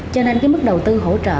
cho nên mức đầu tư hỗ trợ